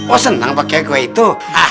oh senang pak kiai gue itu